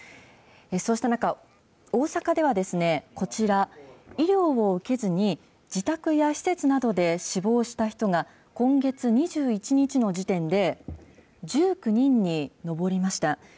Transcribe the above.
そうした中、大阪ではこちら、医療を受けずに、自宅や施設などで死亡した人が、今月２１日の時点で１９人に上りました。